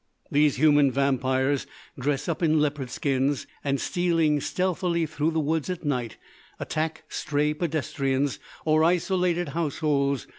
These human vampires dress up in leopard skins, and stealing stealthily through the woods at night, attack stray pedestrians or isolated households.